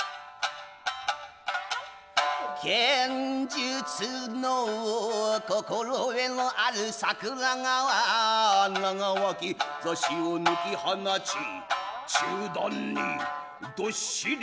剣術の心得のある櫻川長脇差を抜き放ち中段にどっしり構え